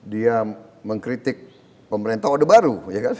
dia mengkritik pemerintah odeh baru